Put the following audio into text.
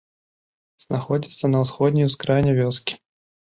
Знаходзіцца на ўсходняй ускраіне вёскі.